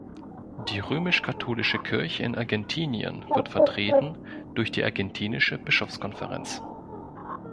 Die römisch-katholische Kirche in Argentinien wird vertreten durch die argentinische Bischofskonferenz.